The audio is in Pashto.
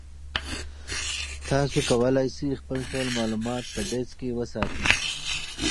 تاسي کولای شئ خپل ټول معلومات په ډیسک کې وساتئ.